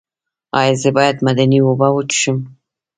ایا زه باید معدني اوبه وڅښم؟